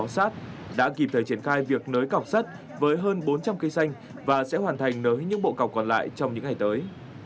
sát đã kịp thời triển khai việc nới cọc sắt với hơn bốn trăm linh cây xanh và sẽ hoàn thành nới những bộ cọc còn lại trong những ngày tới